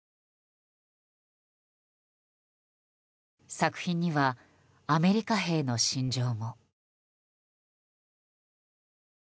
作品にはアメリカ兵の心情も。